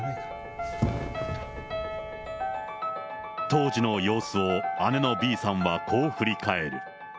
当時の様子を姉のＢさんはこう振り返る。